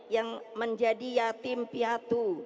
yang menjadi yatim piatu